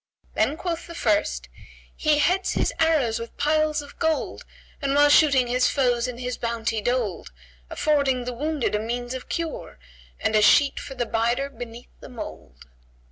Then quoth the first, "He heads his arrows with piles of gold, * And while shooting his foes is his bounty doled: Affording the wounded a means of cure, * And a sheet for the bider beneath the mould!"